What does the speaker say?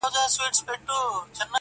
پاڅېدلی خروښېدلی په زمان کي!